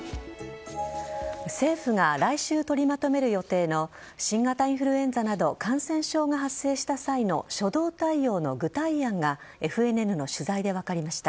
政府が来週取りまとめる予定の新型インフルエンザなど感染症が発生した際の初動対応の具体案がＦＮＮの取材で分かりました。